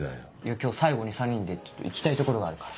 今日最後に３人でちょっと行きたい所があるから。